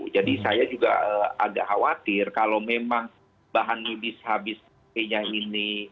jadi saya juga agak khawatir kalau memang bahan nulis habis ini